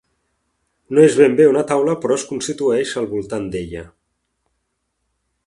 No és ben bé una taula però es constitueix al voltant d'ella.